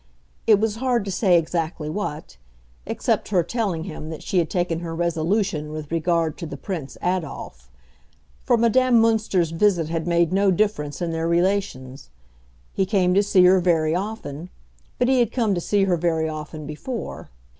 It was hard to say exactly what, except her telling him that she had taken her resolution with regard to the Prince Adolf; for Madame Münster's visit had made no difference in their relations. He came to see her very often; but he had come to see her very often before.